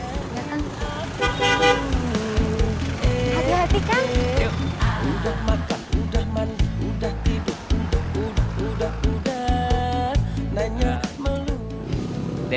udah makan udah mandi udah tidur udah udah udah udah